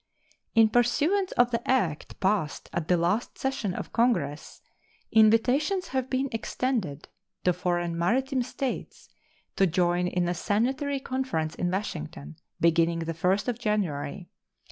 In pursuance of the act passed at the last session of Congress, invitations have been extended to foreign maritime states to join in a sanitary conference in Washington, beginning the 1st of January.